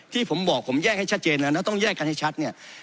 ที่ผมบอกผมแยกให้ชัดเจนแล้วนะต้องแยกกันให้ชัดเนี่ย